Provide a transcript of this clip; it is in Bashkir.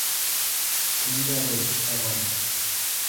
— Кемдәр ул, ағай?